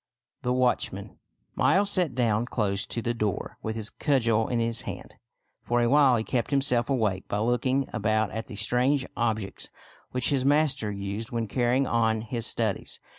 THE WATCHMAN Miles sat down close to the door with his cudgel in his hand. For a while he kept himself awake by looking about at the strange objects which his master used when carrying on his studies.